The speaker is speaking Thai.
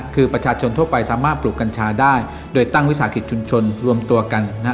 คือประชาชนทั่วไปสามารถปลูกกัญชาได้โดยตั้งวิสาหกิจชุมชนรวมตัวกันนะฮะ